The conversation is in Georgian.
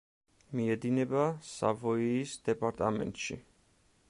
მიედინება სავოიის დეპარტამენტში.